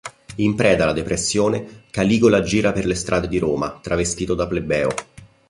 In preda alla depressione, Caligola gira per le strade di Roma travestito da plebeo.